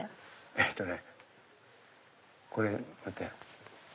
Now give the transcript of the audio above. えっとねこれ待って。